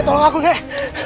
nek tolong aku nek